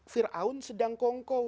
fir'aun sedang kongkow